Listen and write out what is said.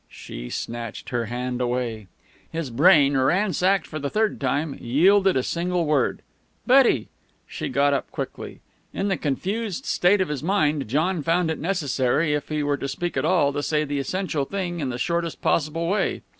She snatched her hand away. His brain, ransacked for the third time, yielded a single word. "Betty!" She got up quickly. In the confused state of his mind, John found it necessary if he were to speak at all, to say the essential thing in the shortest possible way.